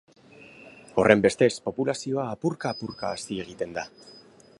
Horrenbestez, populazioa, apurka-apurka, hazi egiten da.